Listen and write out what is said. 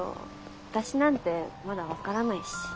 私なんてまだ分からないし。